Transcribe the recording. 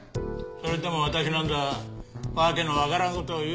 それとも私なんざ訳のわからんことを言う